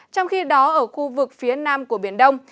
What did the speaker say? trong khi đó ở khu vực phía nam của biển đông